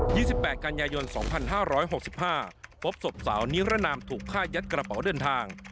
วันที่๒๘กันยายน๒๕๖๕พบศพสาวนิรนามถูกฆ่ายัดกระเป๋าเดินทาง